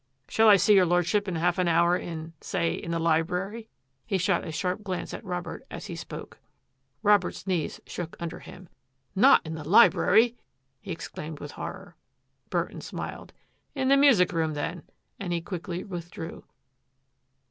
Shall I see your Lordship in half an hour in — say, in the library?" He shot a sharp glance at Robert as he spoke. Robert's knees shook under him. " Not in the library !" he exclaimed with horror. Burton smiled. " In the music room then." And he quickly withdrew.